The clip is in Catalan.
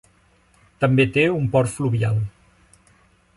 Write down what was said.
També té un port fluvial.